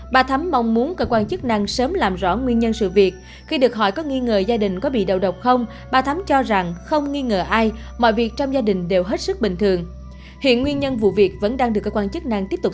bà thắm bật khóc nói bình thường cuối tuần con cháu cứ tập trung về nhận được bệnh viện nhi hương yên